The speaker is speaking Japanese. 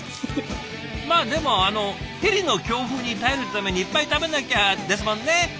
まあでもあのヘリの強風に耐えるためにいっぱい食べなきゃですもんね。